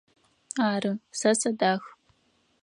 Ары, сэ сыдах.